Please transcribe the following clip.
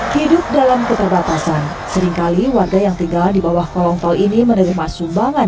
hidup dalam keterbatasan seringkali warga yang tinggal di bawah kolong tol ini menerima sumbangan